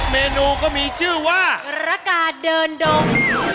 เมนูก็มีชื่อว่าระกาเดินดง